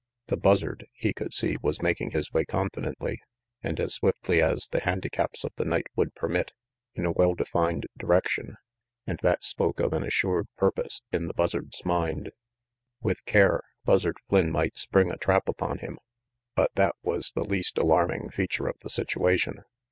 The Buzzard, he could see, was making his way confidently, and as swiftly as the handicaps of the night would permit, in a well defined direction; and that spoke of an assured purpose in the Buzzard's mind. With care. Buzzard Flynn might spring a trap upon him; but that was the least alarming feature of the situation.